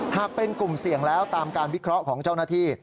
หากเป็นกลุ่มเสี่ยงแล้วตามการวิเคราะห์ของเจ้าหน้าที่